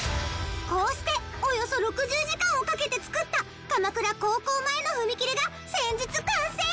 こうしておよそ６０時間をかけて作った鎌倉高校前の踏切が先日完成！